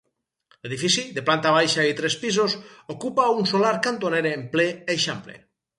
L'edifici, de planta baixa i tres pisos, ocupa un solar cantoner en ple eixample.